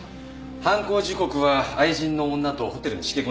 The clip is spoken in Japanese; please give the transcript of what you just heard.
犯行時刻は愛人の女とホテルにしけこんでました。